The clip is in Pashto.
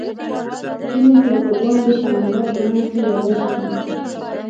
ځینې ټاپوګان د سمندر په منځ کې یوازې دي.